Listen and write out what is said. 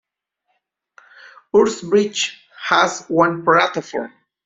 Hurstbridge has one platform.